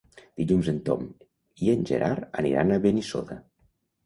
Dilluns en Tom i en Gerard aniran a Benissoda.